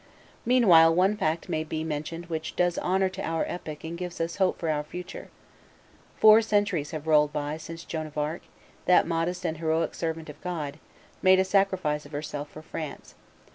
Meanwhile one fact may be mentioned which does honor to our epoch and gives us hope for our future. Four centuries have rolled by since Joan of Arc, that modest and heroic servant of God, made a sacrifice of herself for France.